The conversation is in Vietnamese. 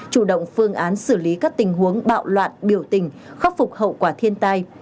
chủ động phương án xử lý các tình huống bạo loạn biểu tình khắc phục hậu quả thiên tai